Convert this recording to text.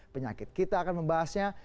penyakit kita akan membahasnya